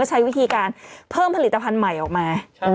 ใช้วิธีการเพิ่มผลิตภัณฑ์ใหม่ออกมา